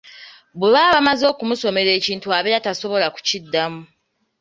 Bwe baba bamaze okumusomera ekintu abeera tasobola kukiddamu.